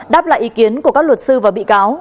đáp lại ý kiến của các luật sư và bị cáo